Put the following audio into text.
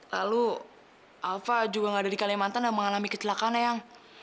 lalu alva juga enggak ada di kalimantan dan mengalami kecelakaan eyang